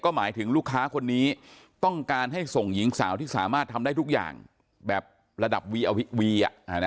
หมายถึงลูกค้าคนนี้ต้องการให้ส่งหญิงสาวที่สามารถทำได้ทุกอย่างแบบระดับวี